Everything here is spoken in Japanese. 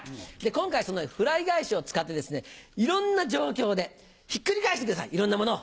今回そのフライ返しを使っていろんな状況でひっくり返してくださいいろんなものを。